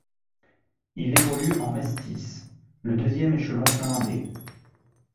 Il évolue en Mestis, le deuxième échelon finlandais.